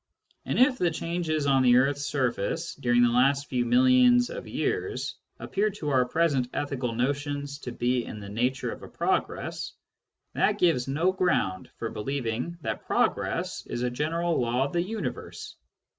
And if the changes on the earth's surface during the last few millions of years appear to our present ethical notions to be in the nature of a progress, that gives no ground for believing that progress is a general law of the universe.